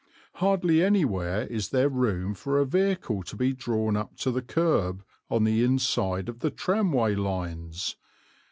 Hardly anywhere is there room for a vehicle to be drawn up to the kerb on the inside of the tramway lines.